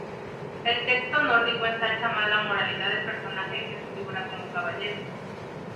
El texto nórdico ensalza más la moralidad del personaje que su figura como caballero.